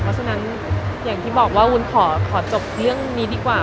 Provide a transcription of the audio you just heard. เพราะฉะนั้นอย่างที่บอกว่าวุ้นขอจบเรื่องนี้ดีกว่า